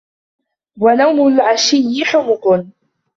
وَنَوْمُ الْعَشِيِّ حُمْقٌ